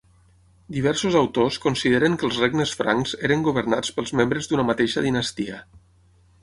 Diversos autors consideren que els regnes francs eren governats pels membres d'una mateixa dinastia.